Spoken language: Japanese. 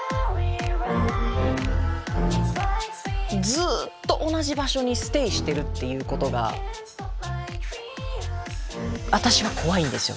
ずっと同じ場所にステイしてるっていうことが私は怖いんですよ